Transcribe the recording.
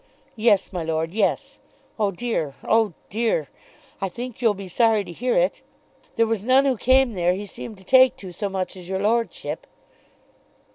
"Yes, my lord, yes. Oh, dear, oh, dear! I think you'll be sorry to hear it. There was none who came there he seemed to take to so much as your lordship."